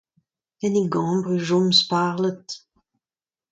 En e gambr e chom sparlet.